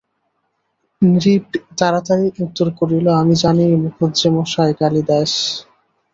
নৃপ তাড়াতাড়ি উত্তর করিল, আমি জানি মুখুজ্যেমশায়, কালিদাস।